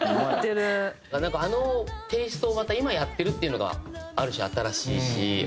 あのテイストをまた今やってるっていうのがある種新しいし。